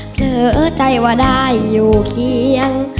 กลับมาเจอกัน